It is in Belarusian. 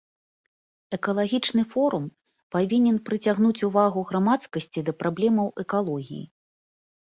Экалагічны форум павінен прыцягнуць увагу грамадскасці да праблемаў экалогіі.